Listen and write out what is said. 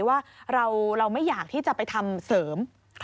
ว่าเราไม่อยากที่จะไปทำเสริม